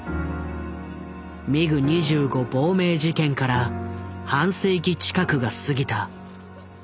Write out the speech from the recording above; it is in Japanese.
ミグ２５亡命事件から半世紀近くが過ぎた。